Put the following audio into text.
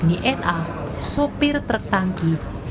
dan mencari pertalit yang berbeda dengan pertamina regional jawa barat